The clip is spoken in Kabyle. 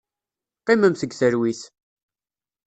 Qqimemt deg talwit.